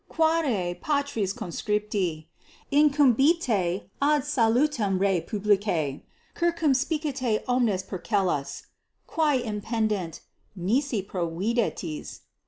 _ Quare, patres conscripti, incumbite ad salutem rei publicae, 4 circumspicite omnes procellas, quae impendent, nisi providetis.